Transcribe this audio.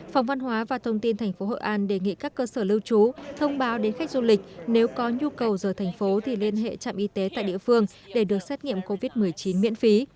phòng văn hóa và thông tin thành phố hội an đề nghị các cơ sở lưu trú thông báo đến khách du lịch nếu có nhu cầu rời thành phố thì liên hệ trạm y tế tại địa phương để được xét nghiệm covid một mươi chín miễn phí